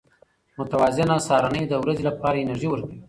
متوازنه سهارنۍ د ورځې لپاره انرژي ورکوي.